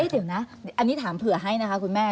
เดี๋ยวนะอันนี้ถามเผื่อให้นะคะคุณแม่